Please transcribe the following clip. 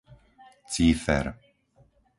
Cífer